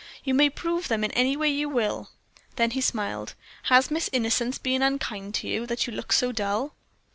"You may prove them in any way you will." Then he smiled. "Has Miss Innocence been unkind to you, that you look so dull?"